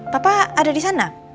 papa ada disana